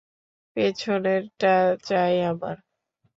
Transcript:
পেছনেরটা চাই আমার।